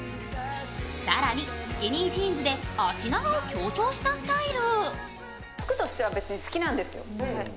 更にスキニージーンズで脚長を強調したスタイル。